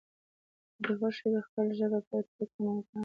که دې خوښه وي خپله ژبه به پرې کړم، اوه ګرانه.